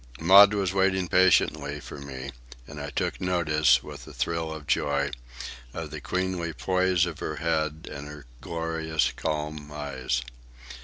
Maud was waiting patiently for me, and I took notice, with a thrill of joy, of the queenly poise of her head and her glorious, calm eyes.